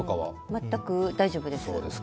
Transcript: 全く大丈夫です。